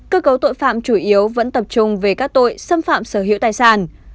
cơ cấu tội phạm chủ yếu vẫn tập trung về các tội xâm phạm sở hữu tài sản